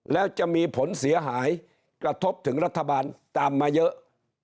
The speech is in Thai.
แล้วจะมีผลเสียหายกระทบถึงรัฐบาลตามมาเยอะ